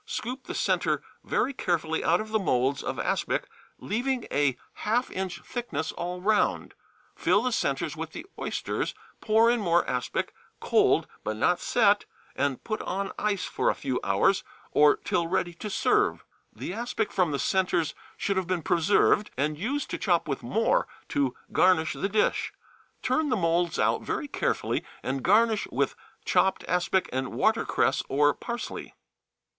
Scoop the centre very carefully out of the moulds of aspic, leaving a half inch thickness all round, fill the centres with the oysters, pour in more aspic, cold, but not set, and put on ice for a few hours, or till ready to serve. The aspic from the centres should have been preserved and used to chop with more to garnish the dish. Turn the moulds out very carefully, and garnish with chopped aspic and watercress or parsley.